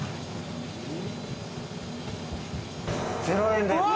０円です。